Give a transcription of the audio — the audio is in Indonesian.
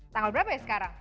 tanggal berapa ya sekarang